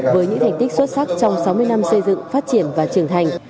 với những thành tích xuất sắc trong sáu mươi năm xây dựng phát triển và trưởng thành